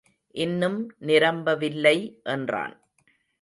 இன்னும் நிரம்பவில்லை என்றான்.